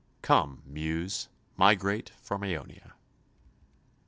"Come, Muse, migrate from Aeonia."